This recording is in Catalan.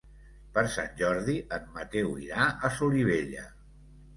Per Sant Jordi en Mateu irà a Solivella.